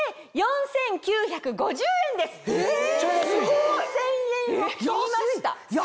５０００円を切りました。